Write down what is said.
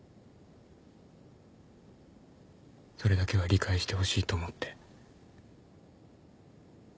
それだけは理解してほしいと思って。